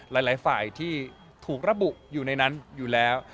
หลายฝ่ายที่ถูกระบุอยู่ในนั้นอยู่แล้ว